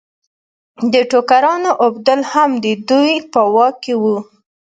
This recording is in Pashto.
د ټوکرانو اوبدل هم د دوی په واک کې وو.